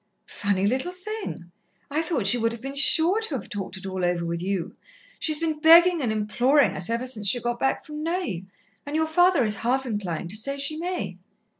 "Funny little thing! I thought she would have been sure to have talked it all over with you. She's been beggin' and implorin' us ever since she got back from Neuilly, and your father is half inclined to say she may."